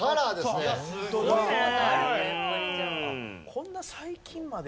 こんな最近まで。